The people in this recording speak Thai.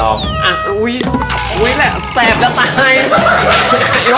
อ้าวอุ้ยแสบน้ะสาด